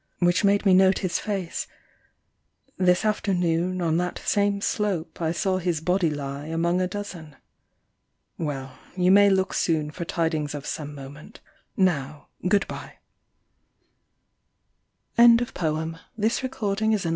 Which made me note his face : this afternoon On that same slope I saw his body lie Among a dozen. Well, you may look soon For tidings of some moment Now, good bye." 33 THE SWALLOWS. Ah